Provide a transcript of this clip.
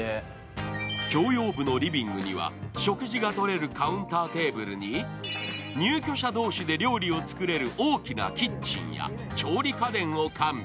共用部のリビングには食事が取れるカウンターテーブルに入居者同士で料理を作れる大きなキッチンや調理家電を完備。